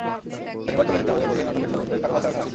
শনিবার চলে যেতে হবে বলে নাটকের স্বজনদের কারও বাসায় ওঠা হয়নি।